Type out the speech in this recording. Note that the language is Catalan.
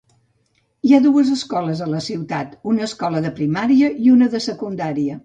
Hi ha dues escoles a la ciutat, una escola de primària i una de secundària.